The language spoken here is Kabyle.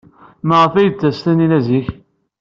Maɣef ay d-tettas Taninna zik?